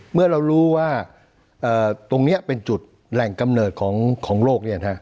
เมื่อเรารู้ว่าตรงนี้เป็นจุดแหล่งกำเนิดของโลก